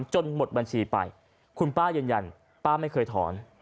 หมดบัญชีไปคุณป้ายืนยันป้าไม่เคยถอน